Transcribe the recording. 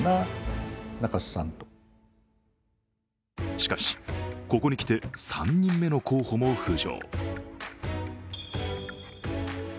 しかし、ここに来て３人目の候補も浮上。